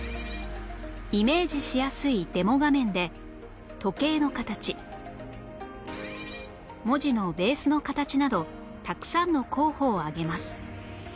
イメージしやすいデモ画面で時計の形文字のベースの形などたくさんの候補を挙げます